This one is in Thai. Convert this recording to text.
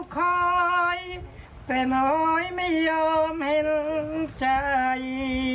ก็ไม่รู้ใจ